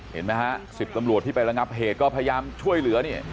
เห็นไหมฮะ๑๐ตำรวจที่ไประงับเหตุก็พยายามช่วยเหลือเนี่ย